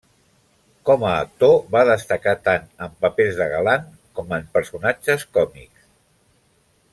Com a actor va destacar tant en papers de galant com en personatges còmics.